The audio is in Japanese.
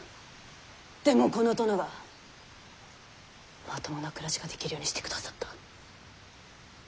でもこの殿がまともな暮らしができるようにしてくださった。